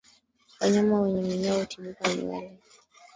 Wanyama wenye minyoo hutibuka nywele